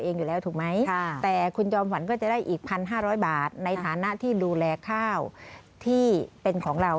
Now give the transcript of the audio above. ในฐานะที่ดูแลข้าวที่เป็นของเรา